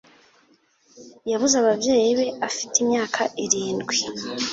Yabuze ababyeyi be afite imyaka irindwi.